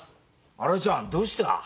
新井ちゃんどうした？